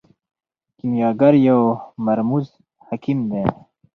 کیمیاګر یو مرموز حکیم دی.